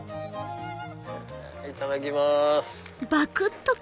いただきます。